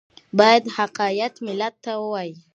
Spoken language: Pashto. باید حقایق ملت ته ووایي